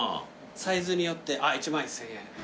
サイズによってあっ１万１，０００円。